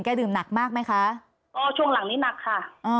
ดื่มหนักมากไหมคะก็ช่วงหลังนี้หนักค่ะ